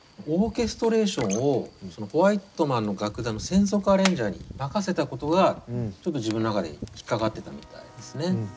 オーケストレーションをホワイトマンの楽団の専属アレンジャーに任せたことがちょっと自分の中で引っ掛かってたみたいですね。